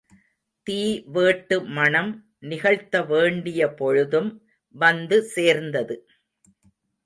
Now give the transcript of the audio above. தீ வேட்டு மணம் நிகழ்த்தவேண்டிய பொழுதும் வந்து சேர்ந்தது.